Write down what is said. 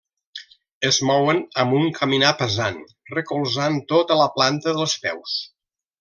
Es mouen amb un caminar pesant, recolzant tota la planta dels peus.